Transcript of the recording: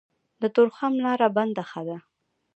د تورخم لاره بنده ښه ده.